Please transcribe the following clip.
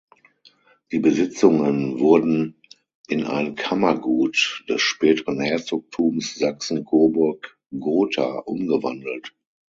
Die Besitzungen wurden in ein Kammergut des späteren Herzogtums Sachsen-Coburg-Gotha umgewandelt.